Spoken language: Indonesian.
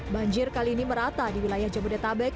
banjir kali ini merata di wilayah jabodetabek